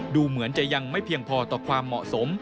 ดูเหมือนจะยังไม่เพียงพอต่อความเหมาะสม